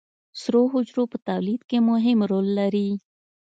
سرو حجرو په تولید کې مهم رول لري